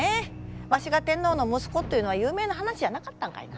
わしが天皇の息子というのは有名な話じゃなかったんかいな。